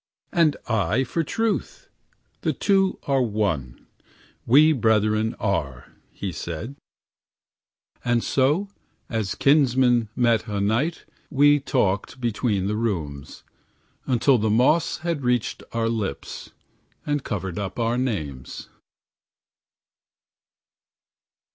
"And I for truth, the two are one; We brethren are," he said. And so, as kinsmen met a night, We talked between the rooms, Until the moss had reached our lips, And covered up our names.